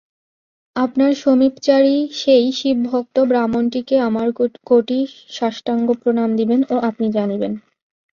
আপনার সমীপচারী সেই শিবভক্ত ব্রাহ্মণটিকে আমার কোটি সাষ্টাঙ্গ প্রণাম দিবেন ও আপনি জানিবেন।